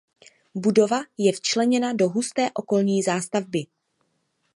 Budova je včleněna do husté okolní zástavby.